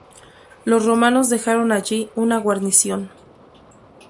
Los romanos dejaron allí una guarnición.